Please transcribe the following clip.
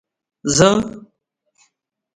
زه